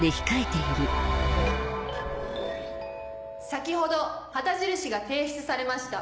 先ほど旗印が提出されました。